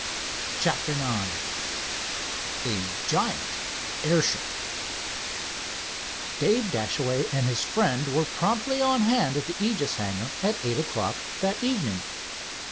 CHAPTER IX A GIANT AIRSHIP Dave Dashaway and his friend were promptly on hand at the Aegis hangar at eight o'clock that evening.